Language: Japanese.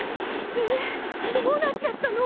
えどうなっちゃったの？